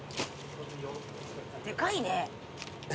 でかいね。